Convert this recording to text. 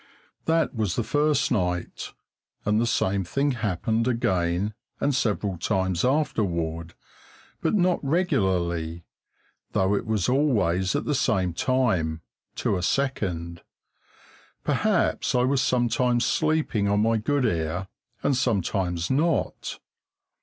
That was the first night, and the same thing happened again and several times afterward, but not regularly, though it was always at the same time, to a second; perhaps I was sometimes sleeping on my good ear, and sometimes not.